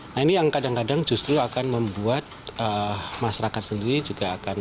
nah ini yang kadang kadang justru akan membuat masyarakat sendiri juga akan